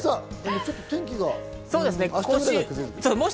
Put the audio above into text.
ちょっと天気が。